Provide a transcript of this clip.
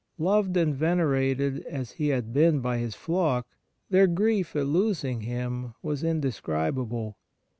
Loved and venerated as he had been by his flock, their grief at losing him was indescribable.